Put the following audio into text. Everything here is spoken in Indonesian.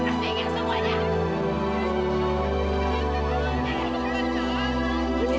masih banyak yang antri ini